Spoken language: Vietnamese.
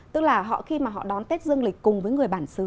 tức là họ khi mà họ đón tết dương lịch cùng với người bản xứ